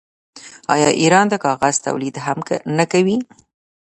آیا ایران د کاغذ تولید هم نه کوي؟